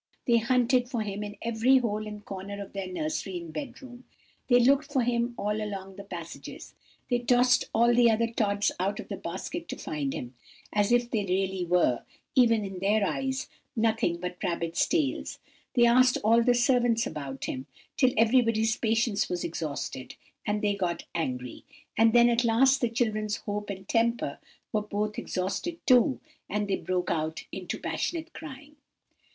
They hunted for him in every hole and corner of their nursery and bed room; they looked for him all along the passages; they tossed all the other Tods out of the basket to find him, as if they really were—even in their eyes—nothing but rabbits' tails; they asked all the servants about him, till everybody's patience was exhausted, and they got angry; and then at last the children's hope and temper were both exhausted too, and they broke out into passionate crying.